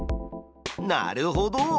なるほど！